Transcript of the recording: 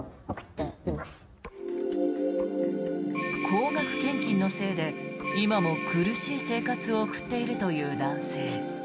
高額献金のせいで今も苦しい生活を送っているという男性。